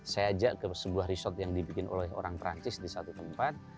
saya ajak ke sebuah resort yang dibikin oleh orang perancis di satu tempat